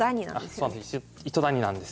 あっそうなんです。